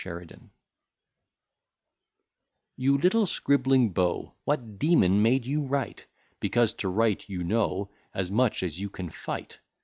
SHERIDAN You little scribbling beau, What demon made you write? Because to write you know As much as you can fight.